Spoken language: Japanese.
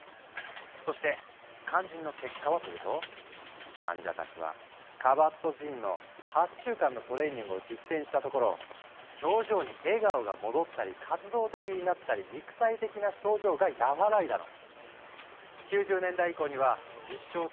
そして肝心の結果はというと患者たちはカバットジンの８週間のトレーニングを実践したところ表情に笑顔が戻ったり活動的になったり肉体的な症状が和らいだの！